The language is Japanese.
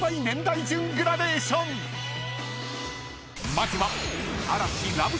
［まずは嵐］